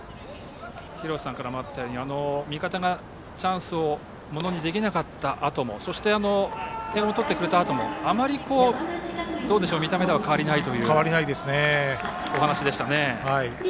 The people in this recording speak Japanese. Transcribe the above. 廣瀬さんからあったように味方がチャンスをものにできなかったあとも点を取ってくれたあともあまり見た目では変わりないと。